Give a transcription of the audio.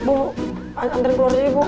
bu anterin keluar aja ibu